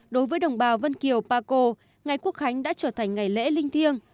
đối với đồng bào vân kiều pa co ngày quốc khánh đã trở thành ngày lễ linh thiêng